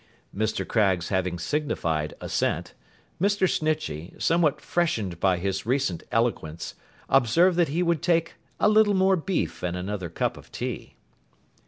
Mr. Craggs having signified assent, Mr. Snitchey, somewhat freshened by his recent eloquence, observed that he would take a little more beef and another cup of tea.